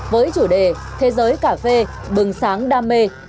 với chủ đề thế giới cà phê bừng sáng đam mê